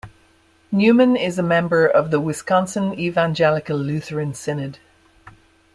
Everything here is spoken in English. Neumann is a member of the Wisconsin Evangelical Lutheran Synod.